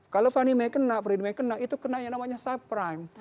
kalau fannie mae kena freddie mae kena itu kena yang namanya subprime